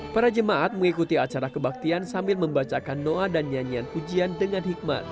para jemaat mengikuti acara kebaktian sambil membacakan doa dan nyanyian pujian dengan hikmat